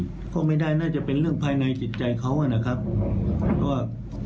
ก็ไม่ได้น่าจะเป็นเรื่องภายในจิตใจเขานะครับเพราะว่า